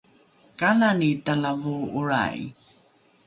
kanani talavoo’olrai?